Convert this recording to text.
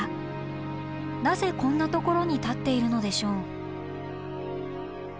なぜこんなところに建っているのでしょう？